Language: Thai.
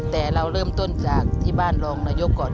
แต่เราเริ่มต้นจากที่บ้านรองนายกก่อน